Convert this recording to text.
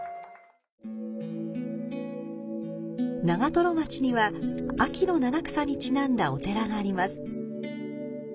長瀞町には秋の七草にちなんだお寺があります。